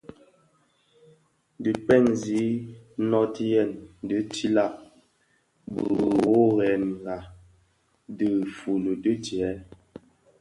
Dhi kpëňzi nnöötighèn dhi tiilag, biwoghirèna dhidi fuuli di djèè.